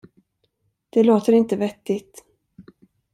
Det låter inte vettigt.